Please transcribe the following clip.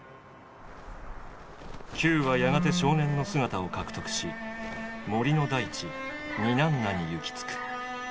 球はやがて少年の姿を獲得し森の大地ニナンナに行き着く。